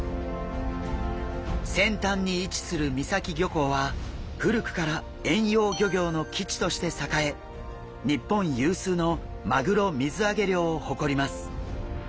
先端に位置する三崎漁港は古くから遠洋漁業の基地として栄え日本有数のマグロ水揚げ量を誇ります。